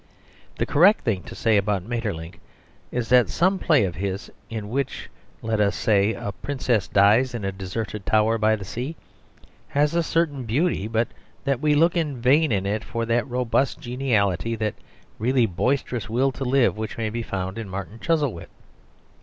The correct thing to say about Maeterlinck is that some play of his in which, let us say, a princess dies in a deserted tower by the sea, has a certain beauty, but that we look in vain in it for that robust geniality, that really boisterous will to live which may be found in Martin Chuzzlewit.